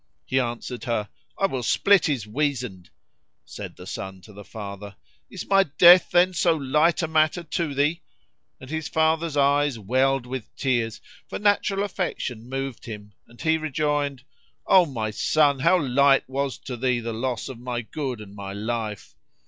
He answered her, "I will split his weasand." Said the son to the father, "Is my death, then, so light a matter to thee?"; and his father's eyes welled with tears, for natural affection moved him, and he rejoined, "O my son, how light was to thee the loss of my good and my life!"